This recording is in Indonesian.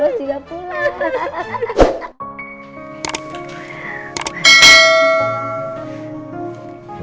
pak bos juga pulang